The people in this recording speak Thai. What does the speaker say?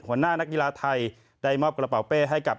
ห่วงหน้านกีฬาไทยได้มอบกระเป๋าเป้ให้กับ